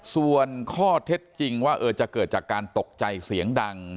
ส่วนข้อเท็จจริงว่าจะเกิดจากการตกใจเสียงดัง